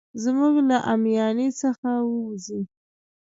زموږ له اميانۍ څخه ووزي.